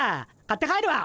買って帰るわ。